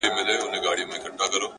• چي وعدې یې د کوثر د جام کولې ,